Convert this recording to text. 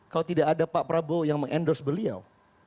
kalau tidak ada pak prabowo yang meng endorse beliau